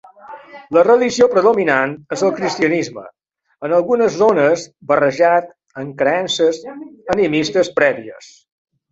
La religió predominant és el cristianisme, en algunes zones barrejat amb creences animistes prèvies.